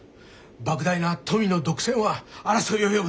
莫大な富の独占は争いを呼ぶ。